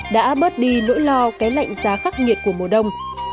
đã bớt đi nỗi lo cái lạnh giá khắc nghiệt của mùa đông